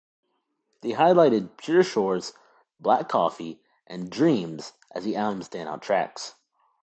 They highlighted "Pure Shores", "Black Coffee" and "Dreams" as the album's standout tracks.